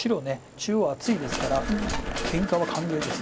中央厚いですからけんかは歓迎です。